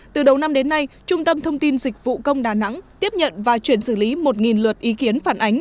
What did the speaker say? từ đầu năm đến nay trung tâm thông tin dịch vụ công đà nẵng tiếp nhận và chuyển xử lý một luật ý kiến phản ánh